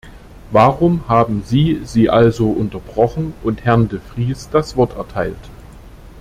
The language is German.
Warum haben Sie sie also unterbrochen und Herrn de Vries das Wort erteilt?